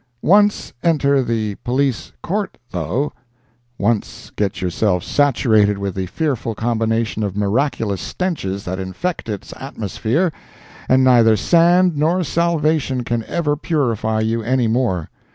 Once enter the Police Court though—once get yourself saturated with the fearful combination of miraculous stenches that infect its atmosphere, and neither sand nor salvation can ever purify you any more!